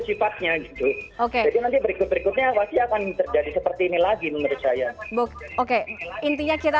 sifatnya gitu oke nanti berikutnya akan menjadi seperti ini lagi menurut saya oke intinya kita